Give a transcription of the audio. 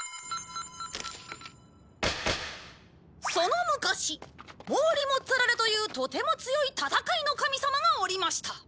その昔モーリ・モッツァレラというとても強い戦いの神様がおりました。